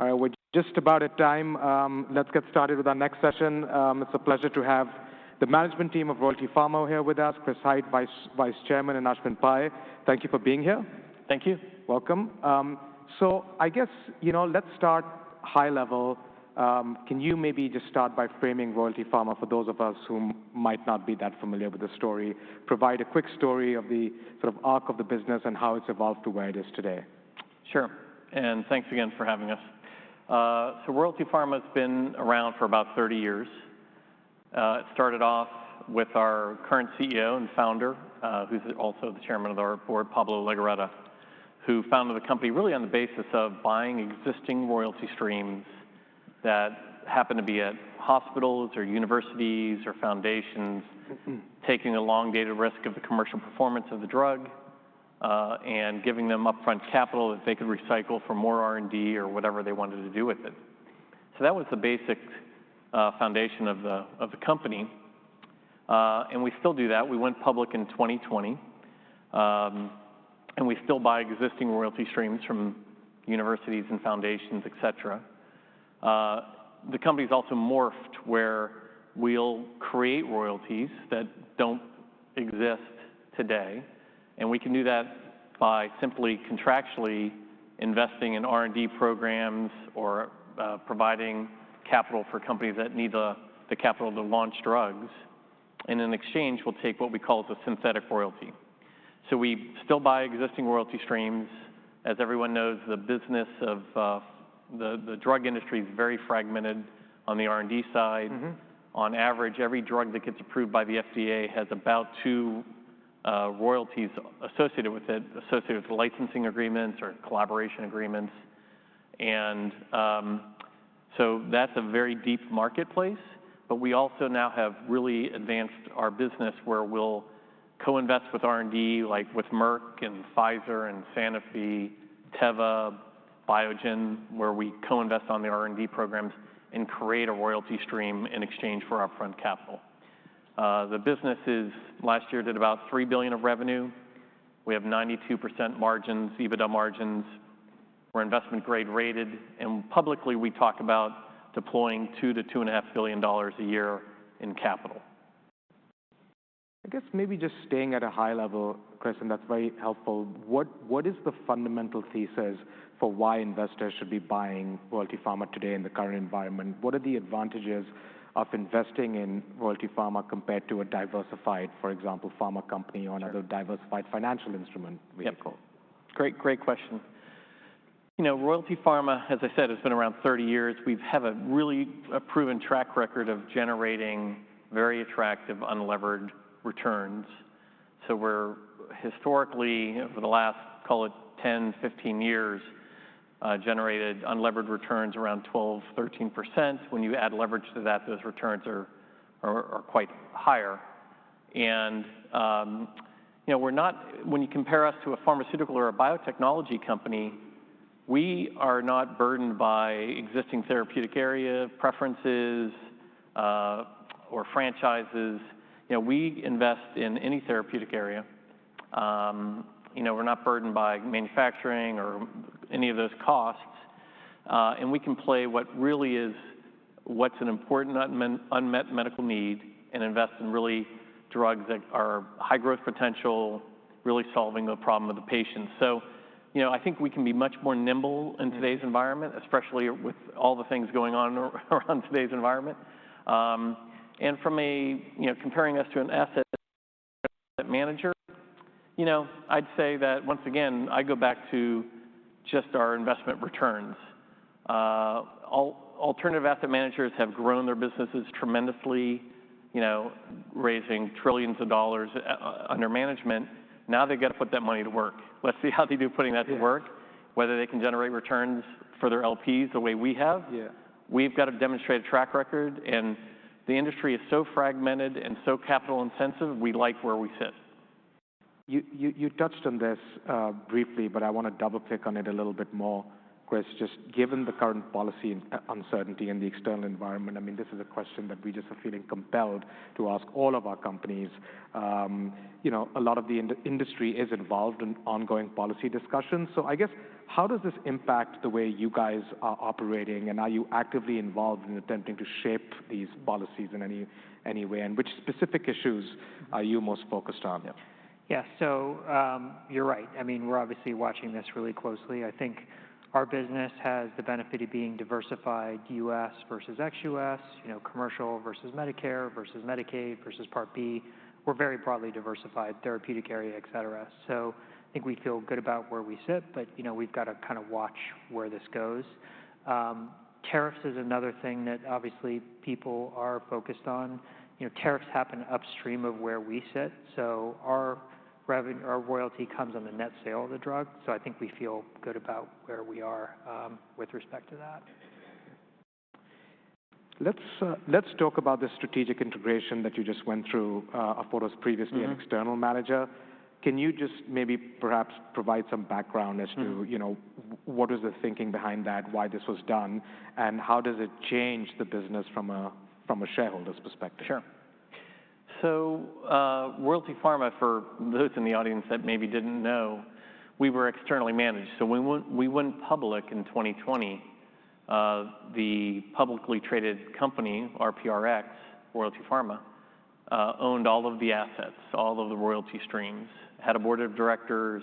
All right, we're just about at time. Let's get started with our next session. It's a pleasure to have the management team of Royalty Pharma here with us, Chris Hite, Vice Chairman, and Ashwin Pai. Thank you for being here. Thank you. Welcome. I guess, you know, let's start high level. Can you maybe just start by framing Royalty Pharma for those of us who might not be that familiar with the story? Provide a quick story of the sort of arc of the business and how it's evolved to where it is today. Sure. Thanks again for having us. Royalty Pharma has been around for about 30 years. It started off with our current CEO and founder, who's also the chairman of our board, Pablo Legorreta, who founded the company really on the basis of buying existing Royalty streams that happened to be at hospitals or universities or foundations, taking a long-dated risk of the commercial performance of the drug and giving them upfront capital that they could recycle for more R&D or whatever they wanted to do with it. That was the basic foundation of the company. We still do that. We went public in 2020. We still buy existing Royalty streams from universities and foundations, et cetera. The company's also morphed where we'll create royalties that do not exist today. We can do that by simply contractually investing in R&D programs or providing capital for companies that need the capital to launch drugs. In exchange, we'll take what we call a Synthetic Royalty. We still buy existing Royalty streams. As everyone knows, the business of the drug industry is very fragmented on the R&D side. On average, every drug that gets approved by the FDA has about two royalties associated with it, associated with licensing agreements or collaboration agreements. That is a very deep marketplace. We also now have really advanced our business where we'll co-invest with R&D, like with Merck and Pfizer and Sanofi, Teva, Biogen, where we co-invest on the R&D programs and create a Royalty stream in exchange for upfront capital. The business last year did about $3 billion of revenue. We have 92% margins, EBITDA margins. We're investment-grade rated. Publicly, we talk about deploying $2 billion-$2.5 billion a year in capital. I guess maybe just staying at a high level, Chris, and that's very helpful. What is the fundamental thesis for why investors should be buying Royalty Pharma today in the current environment? What are the advantages of investing in Royalty Pharma compared to a diversified, for example, pharma company or another diversified financial instrument vehicle? Yeah. Great, great question. You know, Royalty Pharma, as I said, it's been around 30 years. We have a really proven track record of generating very attractive unlevered returns. So we're historically, over the last, call it 10-15 years, generated unlevered returns around 12-13%. When you add leverage to that, those returns are quite higher. You know, we're not, when you compare us to a pharmaceutical or a biotechnology company, we are not burdened by existing therapeutic area preferences or franchises. You know, we invest in any therapeutic area. You know, we're not burdened by manufacturing or any of those costs. We can play what really is, what's an important unmet medical need and invest in really drugs that are high growth potential, really solving the problem of the patient. You know, I think we can be much more nimble in today's environment, especially with all the things going on around today's environment. From a, you know, comparing us to an asset manager, you know, I'd say that once again, I go back to just our investment returns. Alternative asset managers have grown their businesses tremendously, raising trillions of dollars under management. Now they've got to put that money to work. Let's see how they do putting that to work, whether they can generate returns for their LPs the way we have. Yeah, we've got to demonstrate a track record. The industry is so fragmented and so capital-intensive, we like where we sit. You touched on this briefly, but I want to double-click on it a little bit more, Chris. Just given the current policy uncertainty and the external environment, I mean, this is a question that we just are feeling compelled to ask all of our companies. You know, a lot of the industry is involved in ongoing policy discussions. I guess, how does this impact the way you guys are operating? Are you actively involved in attempting to shape these policies in any way? Which specific issues are you most focused on? Yeah, so you're right. I mean, we're obviously watching this really closely. I think our business has the benefit of being diversified, U.S. versus ex-U.S., you know, commercial versus Medicare versus Medicaid versus Part B. We're very broadly diversified, therapeutic area, et cetera. I think we feel good about where we sit. But, you know, we've got to kind of watch where this goes. Tariffs is another thing that obviously people are focused on. You know, tariffs happen upstream of where we sit. Our Royalty comes on the net sale of the drug. I think we feel good about where we are with respect to that. Let's talk about the strategic integration that you just went through. I thought it was previously an external manager. Can you just maybe perhaps provide some background as to, you know, what was the thinking behind that, why this was done, and how does it change the business from a shareholder's perspective? Sure. Royalty Pharma, for those in the audience that maybe did not know, we were externally managed. When we went public in 2020, the publicly traded company, RPRX, Royalty Pharma, owned all of the assets, all of the Royalty streams, had a board of directors,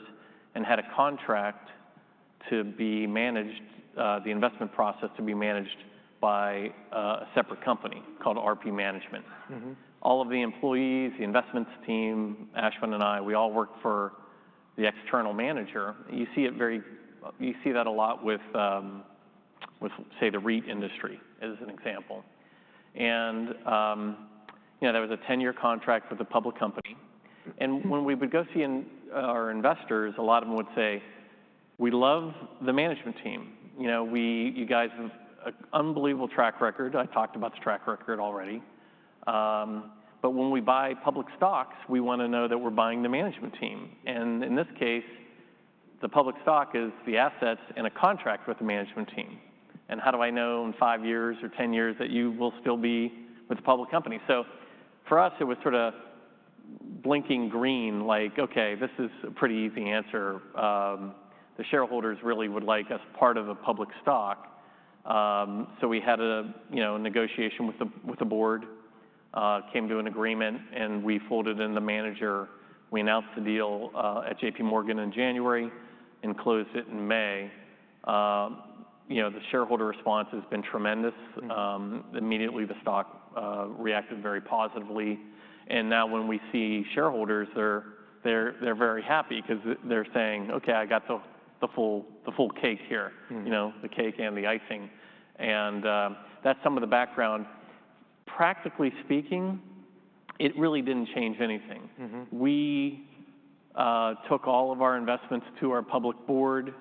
and had a contract to be managed, the investment process to be managed by a separate company called RP Management. All of the employees, the investments team, Ashwin and I, we all worked for the external manager. You see that a lot with, say, the REIT industry as an example. There was a 10-year contract with a public company. When we would go see our investors, a lot of them would say, we love the management team. You know, you guys have an unbelievable track record. I talked about the track record already. When we buy public stocks, we want to know that we're buying the management team. In this case, the public stock is the assets and a contract with the management team. How do I know in five years or 10 years that you will still be with the public company? For us, it was sort of blinking green, like, okay, this is a pretty easy answer. The shareholders really would like us part of a public stock. We had a, you know, negotiation with the board, came to an agreement, and we folded in the manager. We announced the deal at JPMorgan in January and closed it in May. You know, the shareholder response has been tremendous. Immediately, the stock reacted very positively. Now when we see shareholders, they're very happy because they're saying, okay, I got the full cake here, you know, the cake and the icing. And that's some of the background. Practically speaking, it really didn't change anything. We took all of our investments to our public board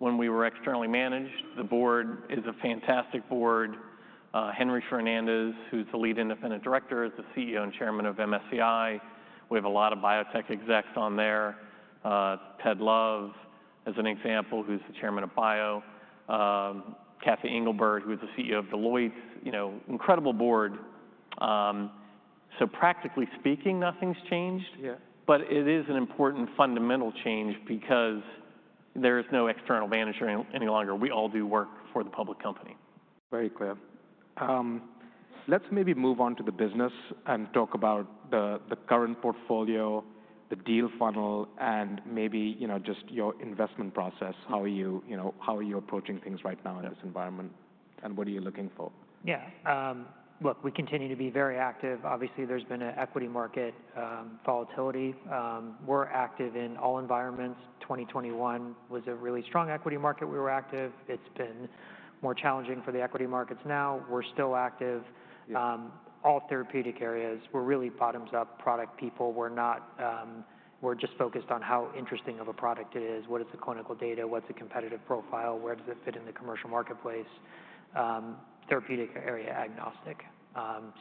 when we were externally managed. The board is a fantastic board. Henry Fernandez, who's the lead independent director, is the CEO and Chairman of MSCI. We have a lot of biotech execs on there. Ted Love, as an example, who's the Chairman of BIO. Kathy Engelberg, who is the CEO of Deloitte, you know, incredible board. So practically speaking, nothing's changed. Yeah, but it is an important fundamental change because there is no external manager any longer. We all do work for the public company. Very clear. Let's maybe move on to the business and talk about the current portfolio, the deal funnel, and maybe, you know, just your investment process. How are you, you know, how are you approaching things right now in this environment? What are you looking for? Yeah. Look, we continue to be very active. Obviously, there's been an equity market volatility. We're active in all environments. 2021 was a really strong equity market. We were active. It's been more challenging for the equity markets now. We're still active. All therapeutic areas, we're really bottoms-up product people. We're not, we're just focused on how interesting of a product it is. What is the clinical data? What's the competitive profile? Where does it fit in the commercial marketplace? Therapeutic area, agnostic.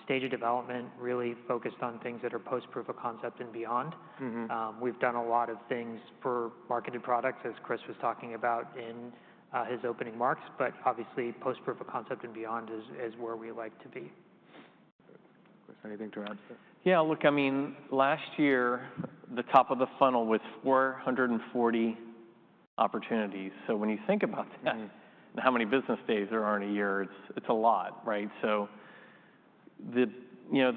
Stage of development, really focused on things that are post-proof of concept and beyond. We've done a lot of things for marketed products, as Chris was talking about in his opening marks. Obviously, post-proof of concept and beyond is where we like to be. Chris, anything to add? Yeah, look, I mean, last year, the top of the funnel was 440 opportunities. When you think about how many business days there are in a year, it's a lot, right? The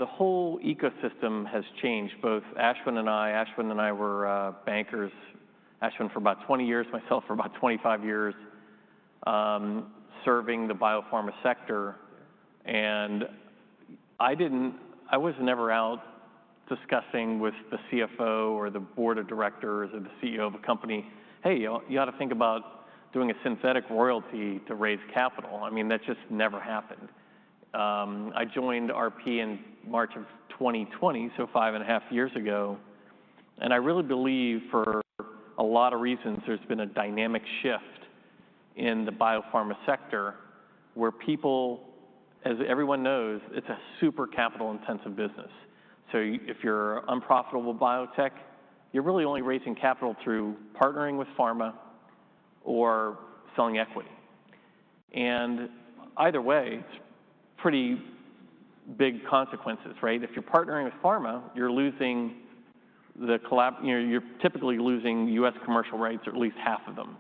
whole ecosystem has changed. Both Ashwin and I, Ashwin and I were bankers, Ashwin for about 20 years, myself for about 25 years, serving the biopharma sector. I didn't, I was never out discussing with the CFO or the board of directors or the CEO of a company, hey, you ought to think about doing a Synthetic Royalty to raise capital. I mean, that just never happened. I joined RP in March of 2020, so five and a half years ago. I really believe for a lot of reasons, there's been a dynamic shift in the biopharma sector where people, as everyone knows, it's a super capital-intensive business. If you're unprofitable biotech, you're really only raising capital through partnering with pharma or selling equity. Either way, it's pretty big consequences, right? If you're partnering with pharma, you're losing the collab, you're typically losing U.S. commercial rights or at least half of them.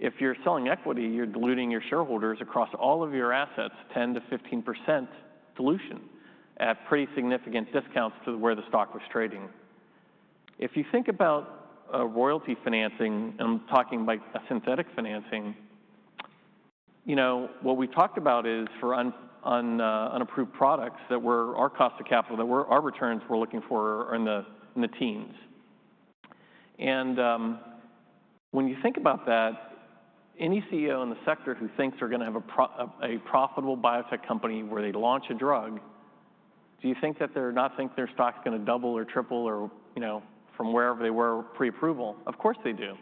If you're selling equity, you're diluting your shareholders across all of your assets, 10-15% dilution at pretty significant discounts to where the stock was trading. If you think about Royalty financing, and I'm talking about synthetic financing, you know, what we talked about is for unapproved products that were our cost of capital, that our returns we're looking for are in the teens. When you think about that, any CEO in the sector who thinks they're going to have a profitable biotech company where they launch a drug, do you think that they're not thinking their stock's going to double or triple or, you know, from wherever they were pre-approval? Of course they do.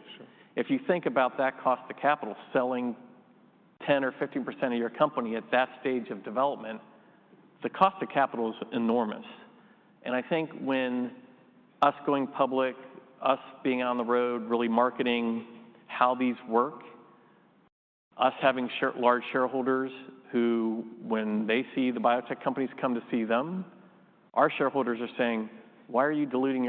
If you think about that cost of capital, selling 10% or 15% of your company at that stage of development, the cost of capital is enormous. I think with us going public, us being on the road, really marketing how these work, us having large shareholders who, when they see the biotech companies come to see them, our shareholders are saying, why are you diluting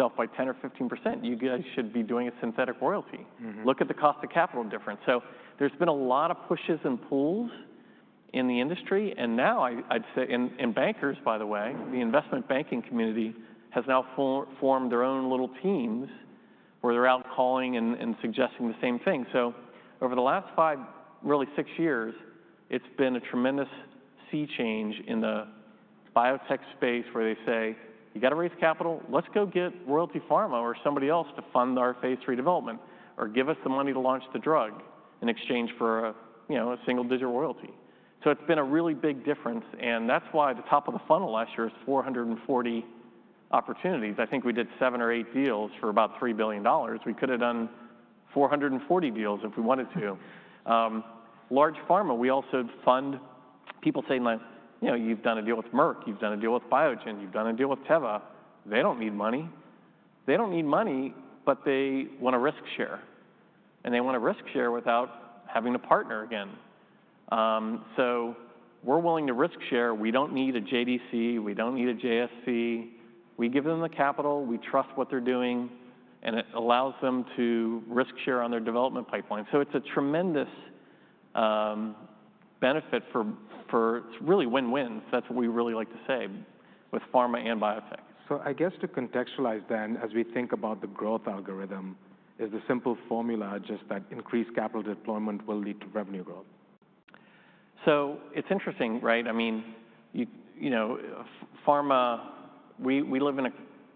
yourself by 10% or 15%? You guys should be doing a Synthetic Royalty. Look at the cost of capital difference. There have been a lot of pushes and pulls in the industry. I'd say, and bankers, by the way, the investment banking community has now formed their own little teams where they're out calling and suggesting the same thing. Over the last five, really six years, it's been a tremendous sea change in the biotech space where they say, you got to raise capital. Let's go get Royalty Pharma or somebody else to fund our phase three development or give us the money to launch the drug in exchange for a, you know, a single-digit Royalty. It's been a really big difference. That's why the top of the funnel last year is 440 opportunities. I think we did seven or eight deals for about $3 billion. We could have done 440 deals if we wanted to. Large pharma, we also fund people saying like, you know, you've done a deal with Merck, you've done a deal with Biogen, you've done a deal with Teva. They don't need money. They don't need money, but they want a risk share. They want a risk share without having to partner again. We're willing to risk share. We don't need a JDC. We don't need a JSC. We give them the capital. We trust what they're doing. It allows them to risk share on their development pipeline. It's a tremendous benefit, it's really win-win. That's what we really like to say with pharma and biotech. I guess to contextualize then, as we think about the growth algorithm, is the simple formula just that increased capital deployment will lead to revenue growth? It's interesting, right? I mean, you know, pharma, we live in a,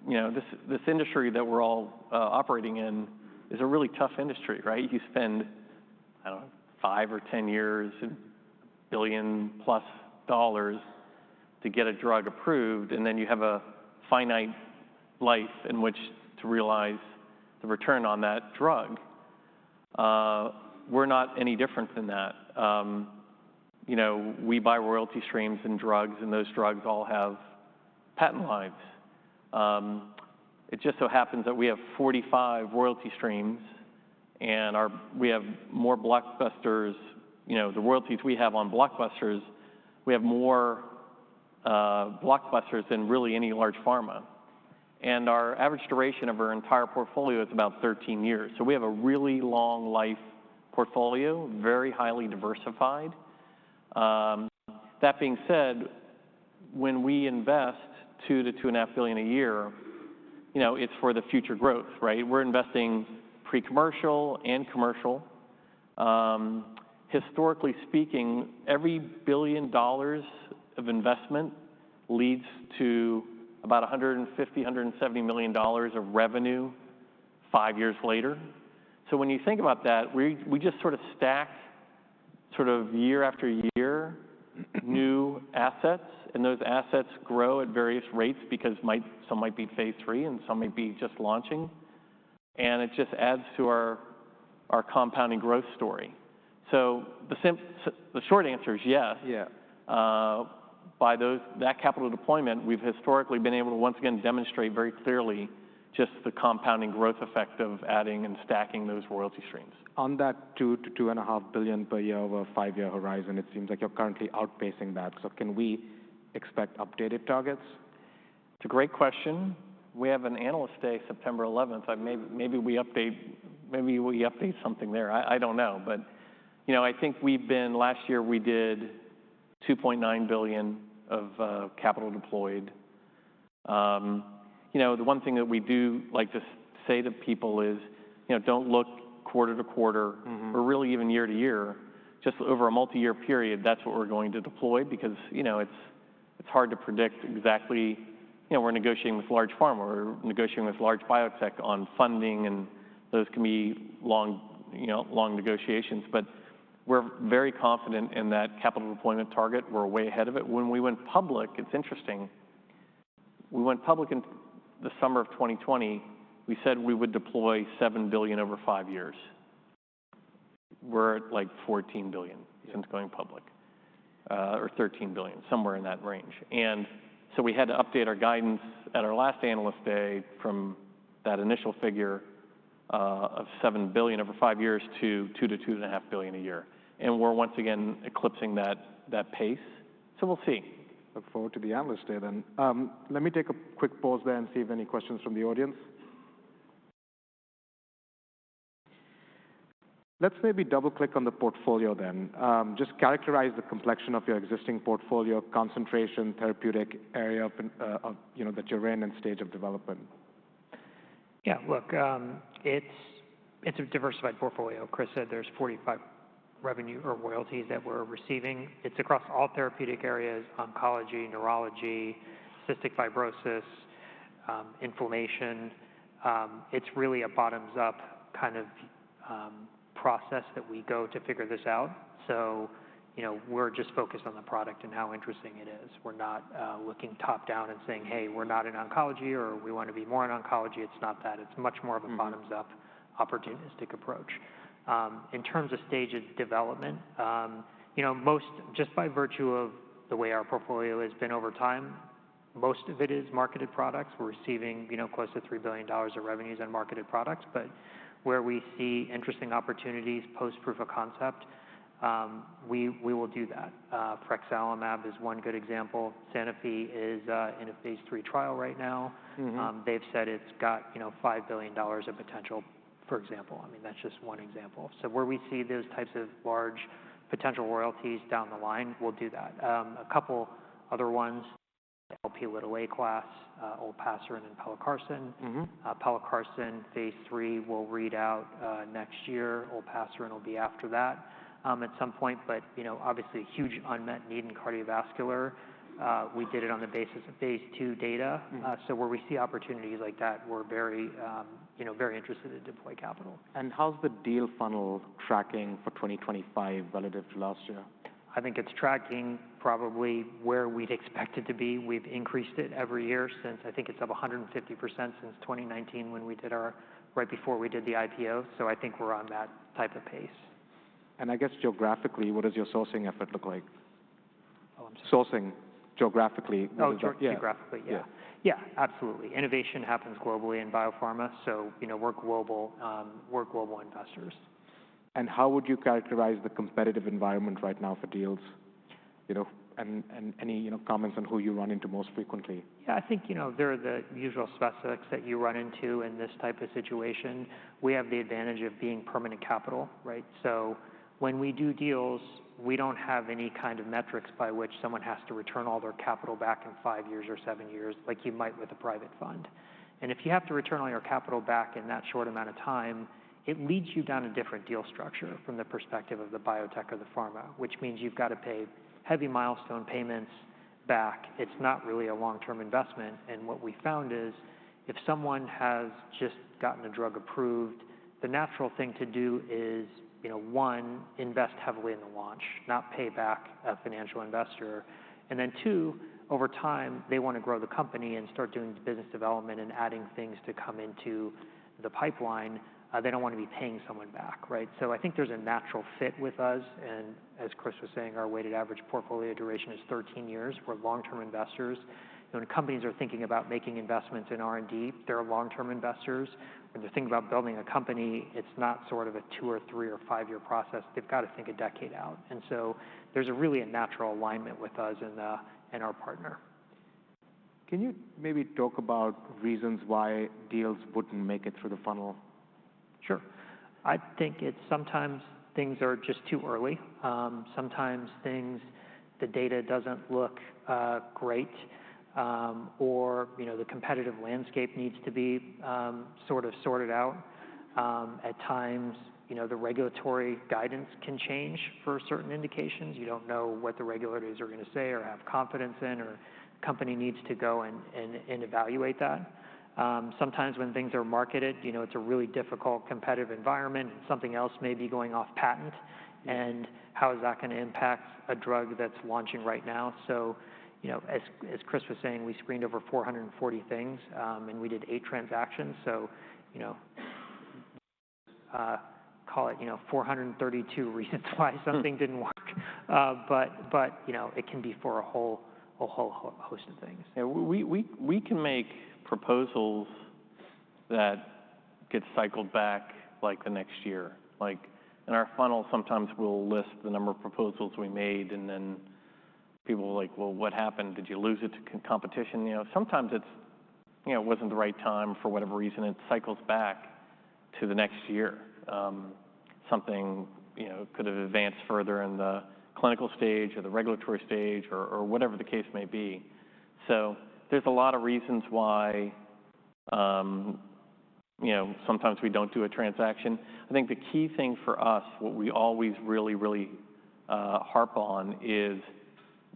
you know, this industry that we're all operating in is a really tough industry, right? You spend, I don't know, five or 10 years and $1 billion-plus to get a drug approved. Then you have a finite life in which to realize the return on that drug. We're not any different than that. You know, we buy Royalty streams in drugs, and those drugs all have patent lives. It just so happens that we have 45 Royalty streams. We have more blockbusters, you know, the royalties we have on blockbusters, we have more blockbusters than really any large pharma. Our average duration of our entire portfolio is about 13 years. We have a really long life portfolio, very highly diversified. That being said, when we invest $2 billion-$2.5 billion a year, you know, it's for the future growth, right? We're investing pre-commercial and commercial. Historically speaking, every $1 billion of investment leads to about $150 million, $170 million of revenue five years later. When you think about that, we just sort of stack sort of year after year new assets. Those assets grow at various rates because some might be phase three and some may be just launching. It just adds to our compounding growth story. The short answer is yes. Yeah, by that capital deployment, we've historically been able to once again demonstrate very clearly just the compounding growth effect of adding and stacking those Royalty streams. On that $2 billion-$2.5 billion per year over a five-year horizon, it seems like you're currently outpacing that. Can we expect updated targets? It's a great question. We have an analyst day September 11th. Maybe we update, maybe we update something there. I don't know. But, you know, I think we've been last year, we did $2.9 billion of capital deployed. You know, the one thing that we do like to say to people is, you know, don't look quarter to quarter or really even year to year. Just over a multi-year period, that's what we're going to deploy because, you know, it's hard to predict exactly, you know, we're negotiating with large pharma. We're negotiating with large biotech on funding. And those can be long, you know, long negotiations. But we're very confident in that capital deployment target. We're way ahead of it. When we went public, it's interesting. We went public in the summer of 2020. We said we would deploy $7 billion over five years. We're at like $14 billion since going public or $13 billion, somewhere in that range. We had to update our guidance at our last analyst day from that initial figure of $7 billion over five years to $2 billion-$2.5 billion a year. We're once again eclipsing that pace. We'll see. Look forward to the analyst data. Let me take a quick pause there and see if any questions from the audience. Let's maybe double-click on the portfolio then. Just characterize the complexion of your existing portfolio concentration, therapeutic area of, you know, the terrain and stage of development. Yeah, look, it's a diversified portfolio. Chris said there's 45 revenue or royalties that we're receiving. It's across all therapeutic areas: oncology, neurology, cystic fibrosis, inflammation. It's really a bottoms-up kind of process that we go to figure this out. So, you know, we're just focused on the product and how interesting it is. We're not looking top-down and saying, hey, we're not in oncology or we want to be more in oncology. It's not that. It's much more of a bottoms-up opportunistic approach. In terms of stage of development, you know, most just by virtue of the way our portfolio has been over time, most of it is marketed products. We're receiving, you know, close to $3 billion of revenues on marketed products. But where we see interesting opportunities post-proof of concept, we will do that. Frexel Lab is one good example. Sanofi is in a phase III trial right now. They've said it's got, you know, $5 billion of potential, for example. I mean, that's just one example. Where we see those types of large potential royalties down the line, we'll do that. A couple other ones: LP(a) Class, Olpasiran, and Pelacarsen. Pelacarsen, phase III, will read out next year. Olpasiran will be after that at some point. You know, obviously huge unmet need in cardiovascular. We did it on the basis of phase II data. Where we see opportunities like that, we're very, you know, very interested to deploy capital. How's the deal funnel tracking for 2025 relative to last year? I think it's tracking probably where we'd expect it to be. We've increased it every year since I think it's up 150% since 2019 when we did our right before we did the IPO. I think we're on that type of pace. I guess geographically, what does your sourcing effort look like? Sourcing geographically. Geographically, yeah. Yeah, absolutely. Innovation happens globally in biopharma. So, you know, we're global, we're global investors. How would you characterize the competitive environment right now for deals, you know, and any, you know, comments on who you run into most frequently? Yeah, I think, you know, there are the usual specifics that you run into in this type of situation. We have the advantage of being permanent capital, right? When we do deals, we do not have any kind of metrics by which someone has to return all their capital back in five years or seven years, like you might with a private fund. If you have to return all your capital back in that short amount of time, it leads you down a different deal structure from the perspective of the biotech or the pharma, which means you have to pay heavy milestone payments back. It is not really a long-term investment. What we found is if someone has just gotten a drug approved, the natural thing to do is, you know, one, invest heavily in the launch, not pay back a financial investor. Two, over time, they want to grow the company and start doing business development and adding things to come into the pipeline. They do not want to be paying someone back, right? I think there is a natural fit with us. As Chris was saying, our weighted average portfolio duration is 13 years for long-term investors. When companies are thinking about making investments in R&D, they are long-term investors. When they are thinking about building a company, it is not sort of a two- or three- or five-year process. They have to think a decade out. There is really a natural alignment with us and our partner. Can you maybe talk about reasons why deals would not make it through the funnel? Sure. I think sometimes things are just too early. Sometimes things, the data does not look great or, you know, the competitive landscape needs to be sort of sorted out. At times, you know, the regulatory guidance can change for certain indications. You do not know what the regulators are going to say or have confidence in, or the company needs to go and evaluate that. Sometimes when things are marketed, you know, it is a really difficult competitive environment and something else may be going off patent. How is that going to impact a drug that is launching right now? You know, as Chris was saying, we screened over 440 things and we did eight transactions. You know, call it 432 reasons why something did not work. It can be for a whole, a whole host of things. We can make proposals that get cycled back like the next year. Like in our funnel, sometimes we'll list the number of proposals we made and then people are like, well, what happened? Did you lose it to competition? You know, sometimes it's, you know, it wasn't the right time for whatever reason. It cycles back to the next year. Something, you know, could have advanced further in the clinical stage or the regulatory stage or whatever the case may be. So there's a lot of reasons why, you know, sometimes we don't do a transaction. I think the key thing for us, what we always really, really harp on is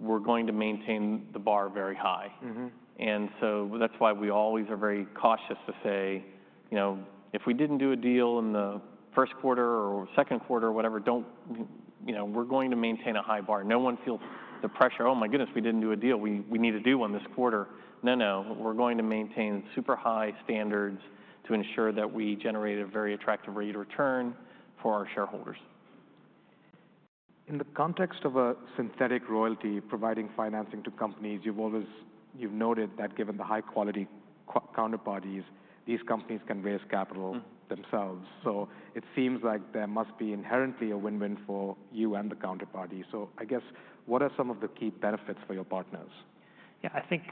we're going to maintain the bar very high. That is why we always are very cautious to say, you know, if we did not do a deal in the first quarter or second quarter or whatever, do not, you know, we are going to maintain a high bar. No one feels the pressure, oh my goodness, we did not do a deal. We need to do one this quarter. No, no. We are going to maintain super high standards to ensure that we generate a very attractive rate of return for our shareholders. In the context of a Synthetic Royalty providing financing to companies, you have always, you have noted that given the high-quality counterparties, these companies can raise capital themselves. It seems like there must be inherently a win-win for you and the counterparty. I guess what are some of the key benefits for your partners? Yeah, I think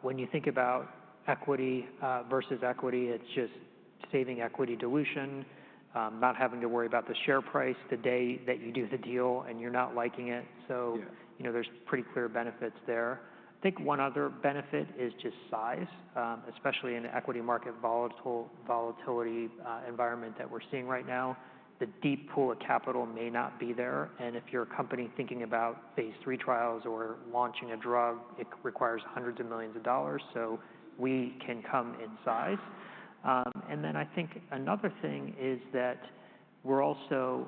when you think about equity versus equity, it's just saving equity dilution, not having to worry about the share price the day that you do the deal and you're not liking it. You know, there's pretty clear benefits there. I think one other benefit is just size, especially in an equity market volatility environment that we're seeing right now. The deep pool of capital may not be there. If you're a company thinking about phase III trials or launching a drug, it requires hundreds of millions of dollars. We can come in size. I think another thing is that we're also,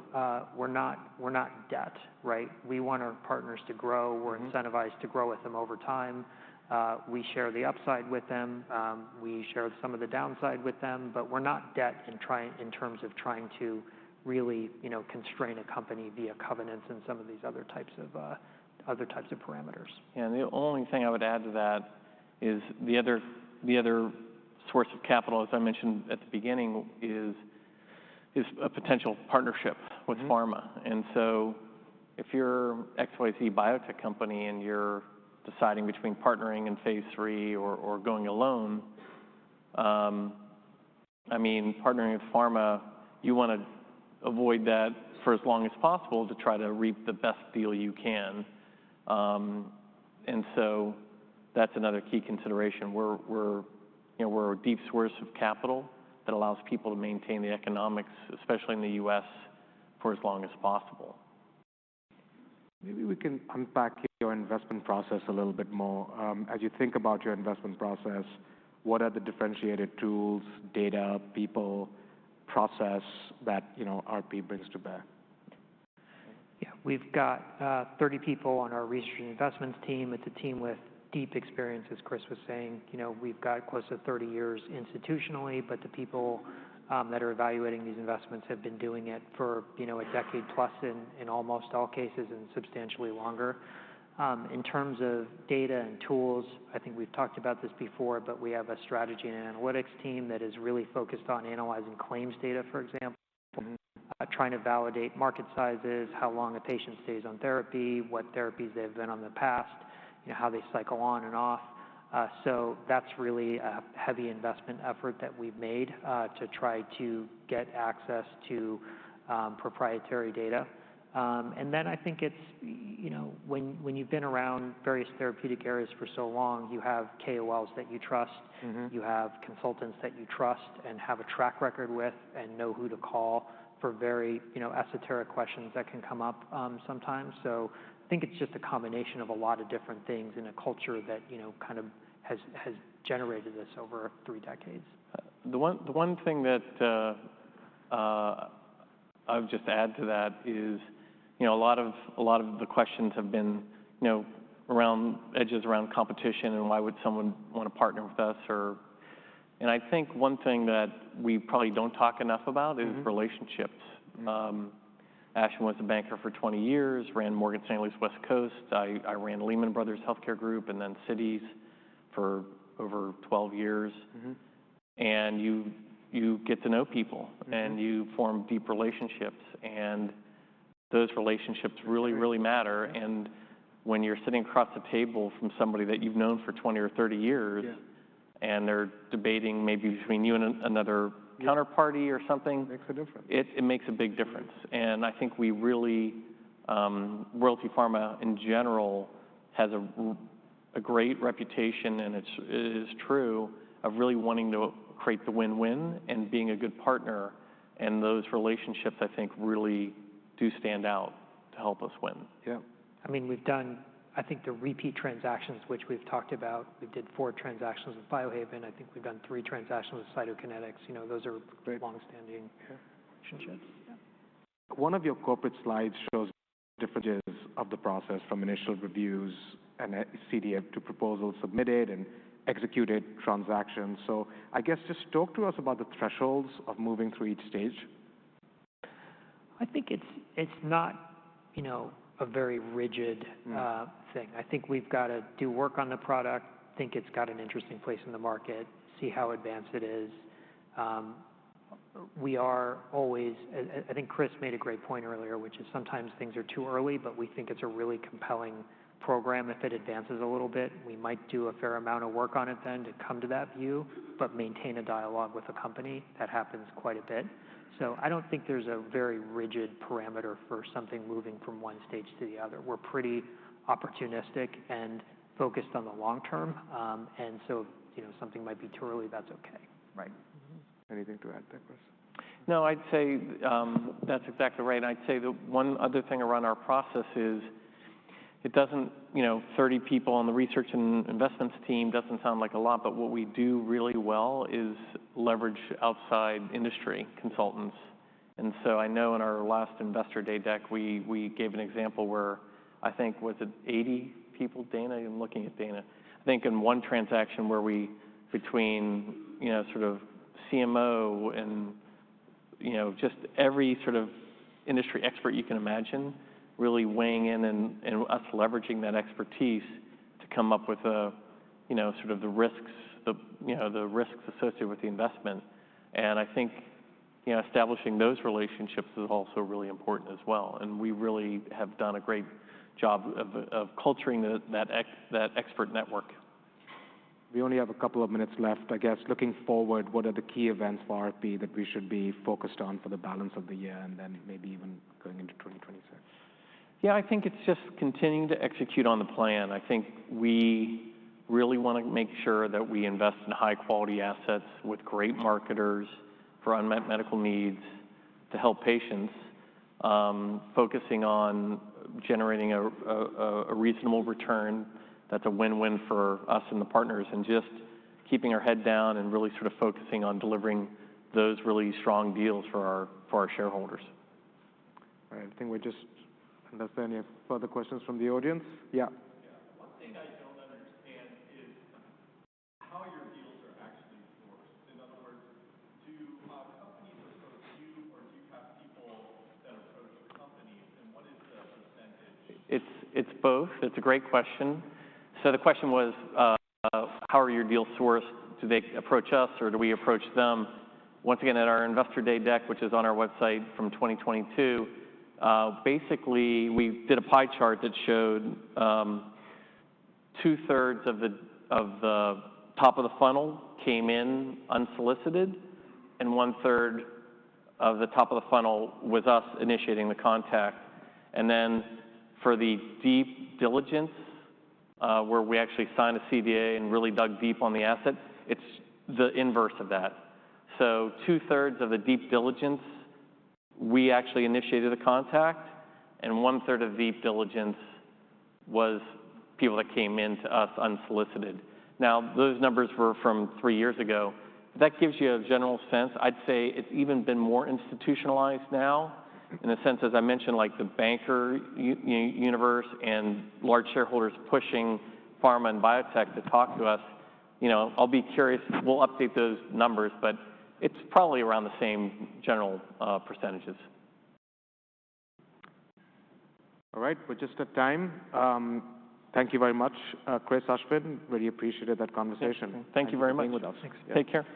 we're not debt, right? We want our partners to grow. We're incentivized to grow with them over time. We share the upside with them. We share some of the downside with them, but we're not debt in terms of trying to really, you know, constrain a company via covenants and some of these other types of parameters. Yeah, and the only thing I would add to that is the other source of capital, as I mentioned at the beginning, is a potential partnership with pharma. If you're an XYZ biotech company and you're deciding between partnering in phase III or going alone, I mean, partnering with pharma, you want to avoid that for as long as possible to try to reap the best deal you can. That is another key consideration. We're a deep source of capital that allows people to maintain the economics, especially in the U.S., for as long as possible. Maybe we can unpack your investment process a little bit more. As you think about your investment process, what are the differentiated tools, data, people, process that, you know, RP brings to bear? Yeah, we've got 30 people on our research and investments team. It's a team with deep experience, as Chris was saying. You know, we've got close to 30 years institutionally, but the people that are evaluating these investments have been doing it for, you know, a decade plus in almost all cases and substantially longer. In terms of data and tools, I think we've talked about this before, but we have a strategy and analytics team that is really focused on analyzing claims data, for example, trying to validate market sizes, how long a patient stays on therapy, what therapies they've been on in the past, you know, how they cycle on and off. That's really a heavy investment effort that we've made to try to get access to proprietary data. I think it's, you know, when you've been around various therapeutic areas for so long, you have KOLs that you trust, you have consultants that you trust and have a track record with and know who to call for very, you know, esoteric questions that can come up sometimes. I think it's just a combination of a lot of different things in a culture that, you know, kind of has generated this over three decades. The one thing that I would just add to that is, you know, a lot of the questions have been, you know, around edges around competition and why would someone want to partner with us? I think one thing that we probably don't talk enough about is relationships. Ashwin was a banker for 20 years, ran Morgan Stanley's West Coast, I ran Lehman Brothers Healthcare Group, and then Citi's for over 12 years. You get to know people and you form deep relationships. Those relationships really, really matter. When you're sitting across the table from somebody that you've known for 20 or 30 years and they're debating maybe between you and another counterparty or something. Makes a difference. It makes a big difference. I think we really, Royalty Pharma in general has a great reputation and it's true of really wanting to create the win-win and being a good partner. Those relationships, I think, really do stand out to help us win. Yeah. I mean, we've done, I think, the repeat transactions, which we've talked about. We did four transactions with Biohaven. I think we've done three transactions with Cytokinetics. You know, those are long-standing relationships. One of your corporate slides shows differences of the process from initial reviews and CDF to proposal submitted and executed transactions. I guess just talk to us about the thresholds of moving through each stage. I think it's not, you know, a very rigid thing. I think we've got to do work on the product. I think it's got an interesting place in the market. See how advanced it is. We are always, I think Chris made a great point earlier, which is sometimes things are too early, but we think it's a really compelling program. If it advances a little bit, we might do a fair amount of work on it then to come to that view, but maintain a dialogue with a company. That happens quite a bit. I don't think there's a very rigid parameter for something moving from one stage to the other. We're pretty opportunistic and focused on the long term. You know, something might be too early, that's okay. Right. Anything to add, Ashwin? No, I'd say that's exactly right. I'd say the one other thing around our process is it doesn't, you know, 30 people on the research and investments team doesn't sound like a lot, but what we do really well is leverage outside industry consultants. I know in our last investor day deck, we gave an example where I think, was it 80 people, Dana, I'm looking at Dana, I think in one transaction where we, between, you know, sort of CMO and, you know, just every sort of industry expert you can imagine really weighing in and us leveraging that expertise to come up with a, you know, sort of the risks, you know, the risks associated with the investment. I think, you know, establishing those relationships is also really important as well. We really have done a great job of culturing that expert network. We only have a couple of minutes left. I guess looking forward, what are the key events for RP that we should be focused on for the balance of the year and then maybe even going into 2026? Yeah, I think it's just continuing to execute on the plan. I think we really want to make sure that we invest in high-quality assets with great marketers for unmet medical needs to help patients, focusing on generating a reasonable return. That's a win-win for us and the partners and just keeping our head down and really sort of focusing on delivering those really strong deals for our shareholders. All right. I think we're just, unless there are any further questions from the audience? Yeah. One thing I don't understand is how your deals are actually sourced. In other words, do you have companies that sort of queue or do you have people that approach the companies? What is the? It's both. It's a great question. The question was, how are your deals sourced? Do they approach us or do we approach them? Once again, at our investor day deck, which is on our website from 2022, basically we did a pie chart that showed two-thirds of the top of the funnel came in unsolicited and one-third of the top of the funnel with us initiating the contact. For the deep diligence, where we actually signed a CDA and really dug deep on the assets, it's the inverse of that. Two-thirds of the deep diligence, we actually initiated the contact and one-third of the deep diligence was people that came into us unsolicited. Now, those numbers were from three years ago. That gives you a general sense. I'd say it's even been more institutionalized now in a sense, as I mentioned, like the banker universe and large shareholders pushing pharma and biotech to talk to us. You know, I'll be curious. We'll update those numbers, but it's probably around the same general %. All right. We're just at time. Thank you very much, Chris, Ashwin. Really appreciated that conversation. Thank you very much. Thanks. Take care.